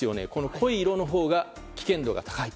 濃い色のほうが危険度が高い。